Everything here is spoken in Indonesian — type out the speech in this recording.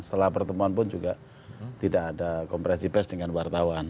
setelah pertemuan pun juga tidak ada kompresi pes dengan wartawan